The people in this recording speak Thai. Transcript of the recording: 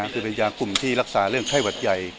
คือเป็นยากลุ่มที่รักษาเรื่องไข้หวัดใหญ่